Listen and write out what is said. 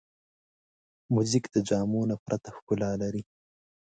موزیک د جامو نه پرته ښکلا لري.